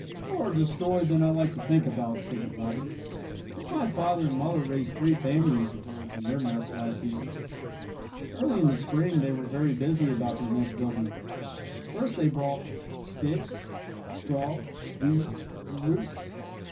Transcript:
"More are destroyed than I like to think about," said the robin. "But my father and mother raised three families of birds in their nest last season. "Early in the spring they were very busy about their nest building. First they brought sticks, straw, weeds, and roots.